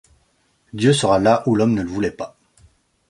Dieu sera là où l'homme ne le voulait pas.